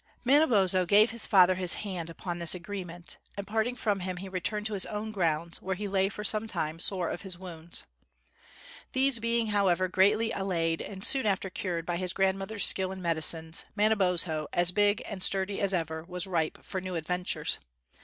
Manabozho gave his father his hand upon this agreement. And parting from him, he returned to his own grounds, where he lay for some time sore of his wounds. These being, however, greatly allayed and soon after cured by his grandmother's skill in medicines, Manabozho, as big and sturdy as ever, was ripe for new adventures.